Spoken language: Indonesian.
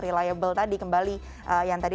reliable tadi kembali yang tadi